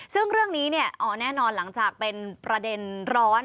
ซึ่งเรื่องนี้เนี่ยอ๋อแน่นอนหลังจากเป็นประเด็นร้อน